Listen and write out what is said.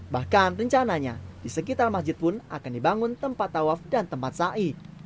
bahkan rencananya di sekitar masjid pun akan dibangun tempat tawaf dan tempat sa'i